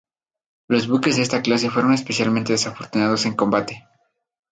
Los buques de esta clase fueron especialmente desafortunados en combate.